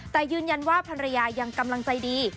แต่ยืนยันว่าภรรยายังกำลังใจดี